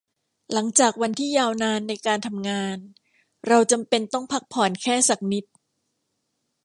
หลังจากวันที่ยาวนานในการทำงาน เราจำเป็นต้องพักผ่อนแค่สักนิด